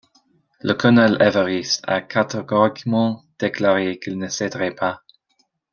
Le colonel Everest a catégoriquement déclaré qu’il ne céderait pas.